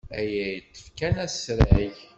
Aya yeṭṭef kan asrag.